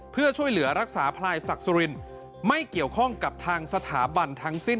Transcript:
เพื่อช่วยเหลือรักษาพลายศักดิ์สุรินไม่เกี่ยวข้องกับทางสถาบันทั้งสิ้น